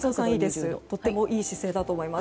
とてもいい姿勢だと思います。